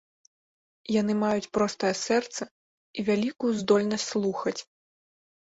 Яны маюць простае сэрца і вялікую здольнасць слухаць.